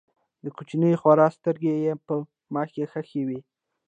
د کوچنۍ خور سترګې یې په ما کې خښې وې